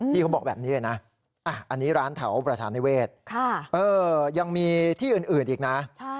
เขาบอกแบบนี้เลยนะอันนี้ร้านแถวประชานิเวศยังมีที่อื่นอีกนะ